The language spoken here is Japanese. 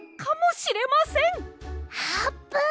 あーぷん！